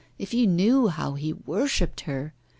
If you knew how he worshipped her!